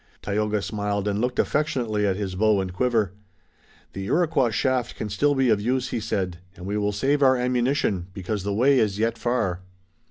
Tayoga smiled and looked affectionately at his bow and quiver. "The Iroquois shaft can still be of use," he said, "and we will save our ammunition, because the way is yet far."